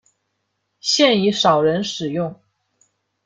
现已少人使用。